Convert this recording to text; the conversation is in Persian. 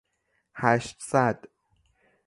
هشتصد